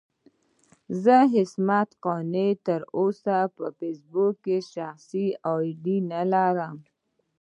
زه عصمت قانع تر اوسه په فېسبوک کې شخصي اې ډي نه لرم.